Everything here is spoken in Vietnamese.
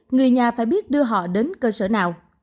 người nhà phải biết đưa họ đến cơ sở nào